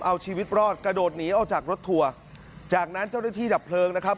เอาชีวิตรอดกระโดดหนีออกจากรถทัวร์จากนั้นเจ้าหน้าที่ดับเพลิงนะครับ